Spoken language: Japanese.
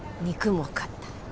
肉も買った。